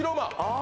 あ